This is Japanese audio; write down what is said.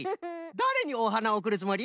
だれにおはなをおくるつもり？